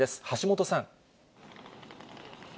橋本さん。